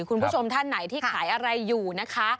คุณผู้ชมท่านไหนที่ขายอะไรอยู่นะคะ